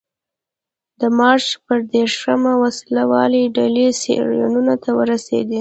د مارچ په درویشتمه وسله والې ډلې سیریلیون ته ورسېدې.